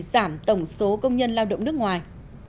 giảm tổng số công nhân lao động nước ngoài